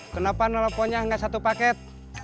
kenapa nelfonnya nggak satu paket